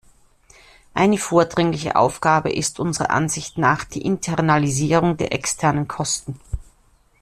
Eine vordringliche Aufgabe ist unserer Ansicht nach die Internalisierung der externen Kosten.